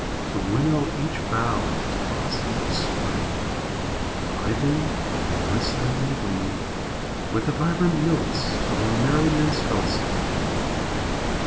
To winnow each bough and toss each spray, Piping and whistling in glee With the vibrant notes of a merry minstrelsy.